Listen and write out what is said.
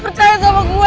percaya sama gue